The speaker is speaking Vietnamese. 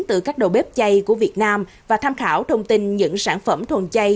từ các đồ bếp chay của việt nam và tham khảo thông tin những sản phẩm thuần chay